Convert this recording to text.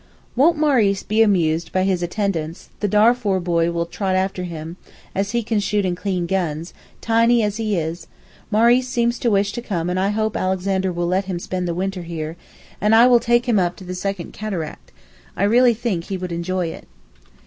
Won't Maurice be amused by his attendants, the Darfoor boy will trot after him, as he can shoot and clean guns, tiny as he is Maurice seems to wish to come and I hope Alexander will let him spend the winter here, and I will take him up to the second Cataract; I really think he would enjoy it.